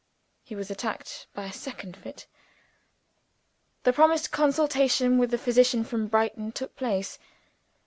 He was attacked by a second fit. The promised consultation with the physician from Brighton took place.